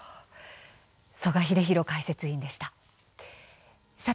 曽我英弘解説委員でした。